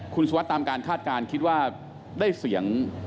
คุณสุวัสดิ์ตามการคาดการณ์คิดว่าได้เสียง